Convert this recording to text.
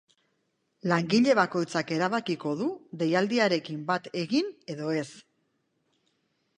Langile bakoitzak erabakiko du deialdiarekin bat egin edo ez.